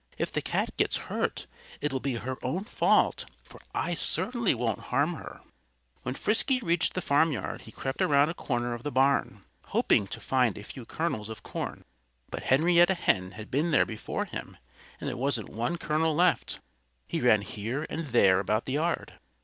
"If the cat gets hurt it will be her own fault, for I certainly won't harm her." When Frisky reached the farmyard he crept around a corner of the barn, hoping to find a few kernels of corn. But Henrietta Hen had been there before him and there wasn't one kernel left. He ran here and there about the yard.